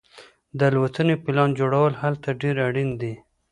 د الوتنې پلان جوړول هلته ډیر اړین دي